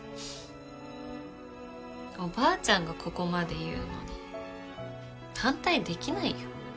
おばあちゃんがここまで言うのに反対できないよ。